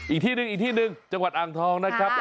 อีกที่หนึ่งอีกที่หนึ่งจังหวัดอ่างทองนะครับ